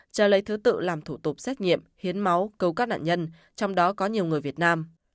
chờ lấy thứ tự làm thủ tục xét nghiệm hiến máu cứu các nạn nhân trong đó có nhiều người việt nam